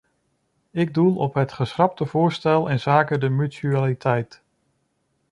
Ik doel op het geschrapte voorstel inzake de mutualiteit.